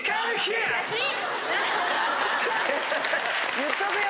言っとくよ。